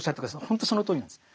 ほんとそのとおりなんです。